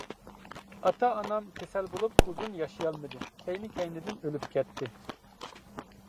ئاتا-ئانام كېسەل بولۇپ ئۇزۇن ياشىيالمىدى، كەينى-كەينىدىن ئۆلۈپ كەتتى.